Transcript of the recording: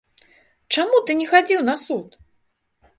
Чаму ты не хадзіў на суд?!.